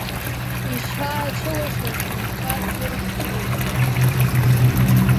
Ишаацәылашаз аҩнқәа асы рықәсхуеит сара.